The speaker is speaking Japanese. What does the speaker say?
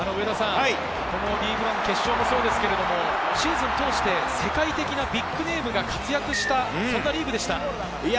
リーグワン決勝もそうですけどシーズンを通して世界的なビッグネームが活躍した、そんなリーグでした。